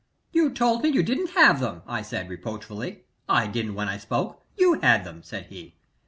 "You told me you didn't have them," I said, reproachfully. "I didn't when I spoke you had them," said he.